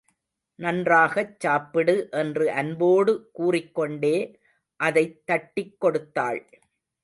நன்றாகச் சாப்பிடு என்று அன்போடு கூறிக்கொண்டே அதைத் தட்டிக்கொடுத்தாள்.